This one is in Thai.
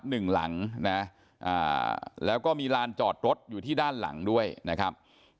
หนึ่งหลังนะอ่าแล้วก็มีลานจอดรถอยู่ที่ด้านหลังด้วยนะครับ